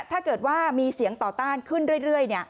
ถ้าเกิดว่ามีเสียงต่อต้านขึ้นเรื่อย